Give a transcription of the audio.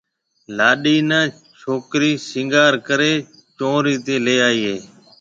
لاڏِي نيَ ڇوڪرَي سينگھار ڪريَ چنورِي تيَ ليَ آئيَ ھيََََ